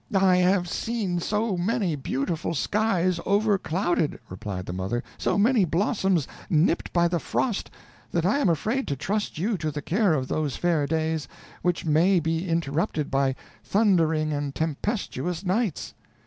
"I have seen so many beautiful skies overclouded," replied the mother, "so many blossoms nipped by the frost, that I am afraid to trust you to the care of those fair days, which may be interrupted by thundering and tempestuous nights.